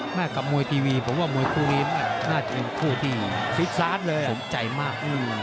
หน้ากับมวยทีวีผมว่ามวยคู่นี้น่าจะเป็นคู่ที่สมใจมาก